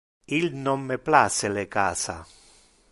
Il non me place le casa.